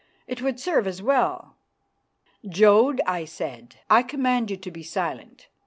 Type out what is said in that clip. It would serve as well." "Jodd," I said, "I command you to be silent.